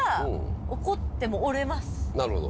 なるほど。